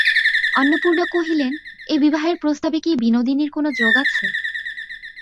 অন্নপূর্ণা কহিলেন, এ বিবাহের প্রস্তাবে কি বিনোদিনীর কোনো যোগ আছে।